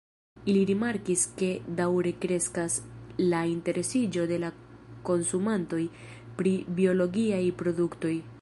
Ili rimarkis ke daŭre kreskas la interesiĝo de la konsumantoj pri biologiaj produktoj.